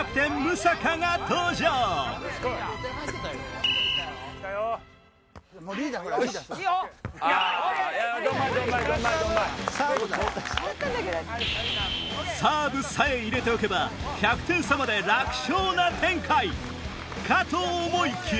サーブさえ入れておけば１００点差まで楽勝な展開かと思いきや！